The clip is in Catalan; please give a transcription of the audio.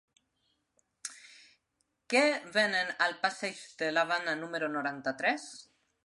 Què venen al passeig de l'Havana número noranta-tres?